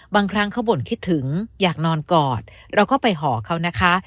บางครั้งเขาบ่นคิดถึงอยากนอนกอดเราก็ไปหอเขานะคะ